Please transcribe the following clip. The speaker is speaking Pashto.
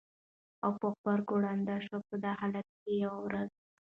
او په غبرګو ړوند شو! په دې حالت کې یوه ورځ